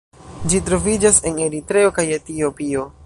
Ĝi troviĝas en Eritreo kaj Etiopio.